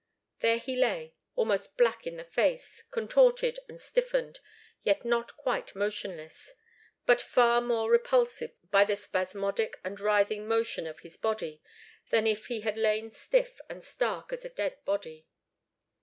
There he lay, almost black in the face, contorted and stiffened, yet not quite motionless, but far more repulsive by the spasmodic and writhing motion of his body than if he had lain stiff and stark as a dead body.